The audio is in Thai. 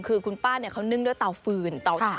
คือคุณป้าเนี่ยเขานึ่งด้วยเตาฟืนเตาชาติ